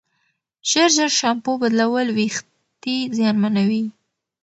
ژر ژر شامپو بدلول وېښتې زیانمنوي.